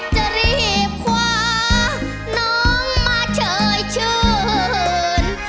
จะรีบคว้าน้องมาเชยชื่น